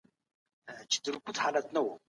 حنفي فقه د عقل او نقل ترمنځ توازن ساتي.